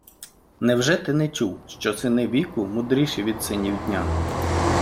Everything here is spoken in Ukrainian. Невже ти не чув, що сини віку мудріші від синів дня?